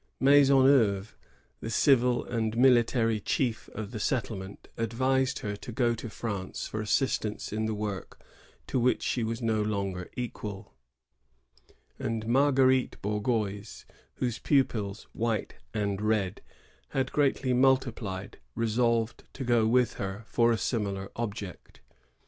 Maisonneuve, the civil and mili tary chief of the settlement, advised her to go to France for assistance in the work to which she was no longer equal; and Marguerite Bourgeoys, whose pupils, white and red, had greatly multiplied, resolved to go with her for a similar object.